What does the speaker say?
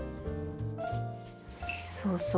そうそう。